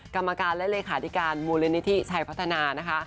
กรรมการและเลขาธิการมูลนิธิชัยพัฒนานะคะ